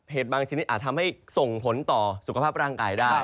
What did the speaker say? บางชนิดอาจทำให้ส่งผลต่อสุขภาพร่างกายได้